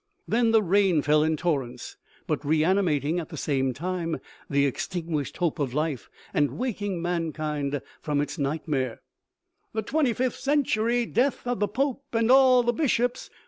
Then the rain fell in torrents, but reanimating at the same time the extinguished hope of life, and waking mankind from its nightmare. " The XXVth Century ! Death of the Pope and all the bishops